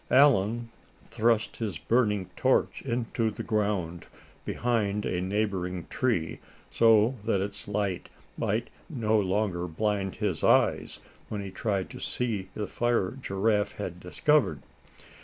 Allan thrust his burning torch into the ground, behind a neighboring tree, so that its light might no longer blind his eyes when he tried to see the fire Giraffe had discovered.